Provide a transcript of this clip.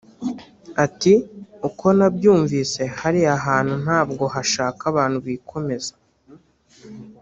ati “Uko nabyumvise hariya hantu ntabwo hashaka abantu bikomeza